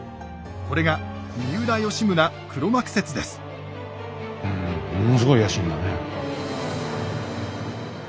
これがうんものすごい野心だね。